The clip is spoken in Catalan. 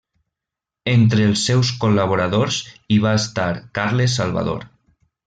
Entre els seus col·laboradors hi va estar Carles Salvador.